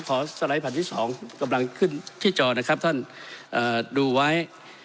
ขอสไลด์ภัณฑ์ที่๒กำลังขึ้นที่จอนะครับท่านดูไว้